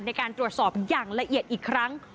ในการตรวจสอบอย่างละเอียดอีกครั้ง